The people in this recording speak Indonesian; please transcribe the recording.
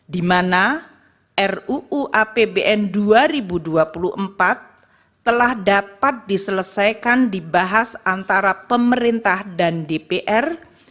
di mana ruu apbn dua ribu dua puluh empat telah dapat diselesaikan dibahas antara pemerintah dan dpr